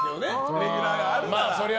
レギュラーがあるなら。